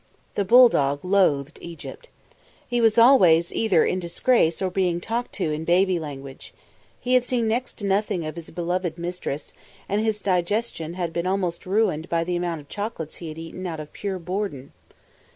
The bulldog loathed Egypt. He was always either in disgrace or being talked to in baby language. He had seen next to nothing of his beloved mistress, and his digestion had been almost ruined by the amount of chocolates he had eaten out of pure boredom.